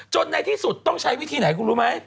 ในที่สุดต้องใช้วิธีไหนคุณรู้ไหม